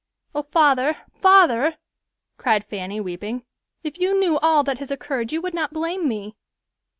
"Oh, father, father!" cried Fanny, weeping; "if you knew all that has occurred, you would not blame me."